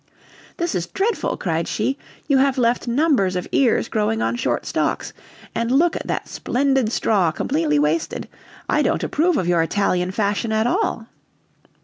"This is dreadful!" cried she; "you have left numbers of ears growing on short stalks, and look at that splendid straw completely wasted! I don't approve of your Italian fashion at all."